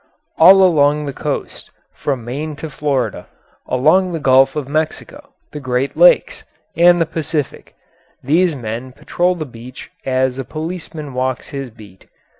All along the coast, from Maine to Florida, along the Gulf of Mexico, the Great Lakes, and the Pacific, these men patrol the beach as a policeman walks his beat.